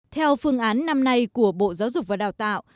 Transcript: theo phương án năm nay của bộ giáo dục và đào tạo